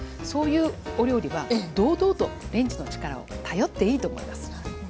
そういうお料理は堂々とレンジの力を頼っていいと思います。